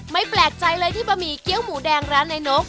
แปลกใจเลยที่บะหมี่เกี้ยวหมูแดงร้านในนก